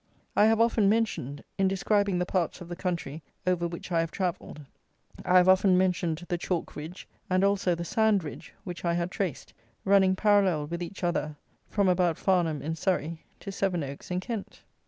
I have often mentioned, in describing the parts of the country over which I have travelled; I have often mentioned the chalk ridge and also the sand ridge, which I had traced, running parallel with each other from about Farnham, in Surrey, to Sevenoaks, in Kent.